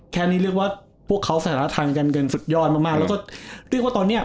แค่นี้เรียกว่าพวกเขาสถานะทางการเงินสุดยอดมากมากแล้วก็เรียกว่าตอนเนี้ย